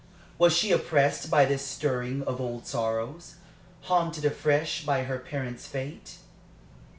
Was she oppressed by this stirring of old sorrows? haunted afresh by her parents' fate?